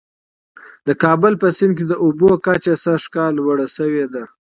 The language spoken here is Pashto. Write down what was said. د کابل په سیند کي د اوبو کچه سږ کال لوړه سوې ده.